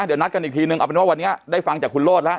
เดี๋ยวนัดกันอีกทีนึงเอาเป็นว่าวันนี้ได้ฟังจากคุณโรธแล้ว